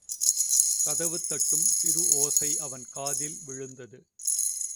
கதவு தட்டும் சிறு ஓசை அவன் காதில் விழுந்தது.